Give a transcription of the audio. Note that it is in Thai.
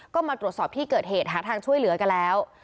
ก็มาตรวจสอบที่เกิดเหตุหาทางช่วยเหลือกันแล้ว